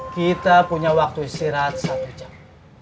kita punya waktu istirahat satu jam